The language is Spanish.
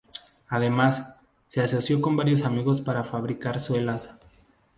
Además, se asoció con varios amigos para fabricar suelas.